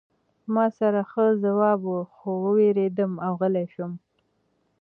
ما سره ښه ځواب و خو ووېرېدم او غلی شوم